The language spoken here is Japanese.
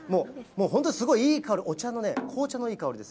もう本当すごいいい香り、お茶のね、紅茶のいい香りです。